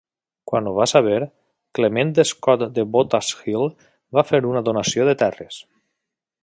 Quan ho va saber, Clement Stott de Botha's Hill va fer una donació de terres.